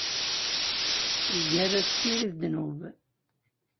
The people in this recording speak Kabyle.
Lgerra tessirid ddnub.